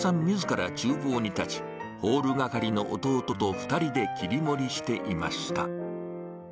みずからちゅう房に立ち、ホール係の弟と２人で切り盛りしていました。